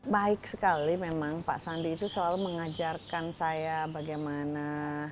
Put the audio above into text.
baik sekali memang pak sandi itu selalu mengajarkan saya bagaimana